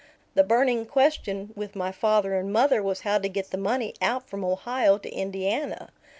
The burning question with my father and mother was how to get the money out from Ohio to Indiana.